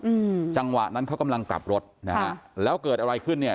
อืมจังหวะนั้นเขากำลังกลับรถนะฮะแล้วเกิดอะไรขึ้นเนี่ย